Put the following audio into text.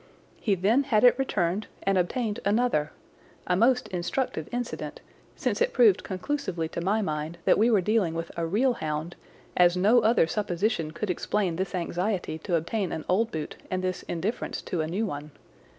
He then had it returned and obtained another—a most instructive incident, since it proved conclusively to my mind that we were dealing with a real hound, as no other supposition could explain this anxiety to obtain an old boot and this indifference to a new one.